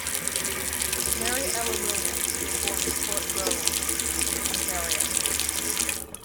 Mary Ella Williams was born in Port Burwell, Ontario.